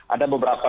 ada beberapa hal